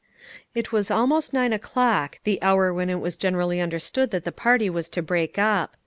It was almost nine o'clock, the hour when it was generally understood that the party was to break up.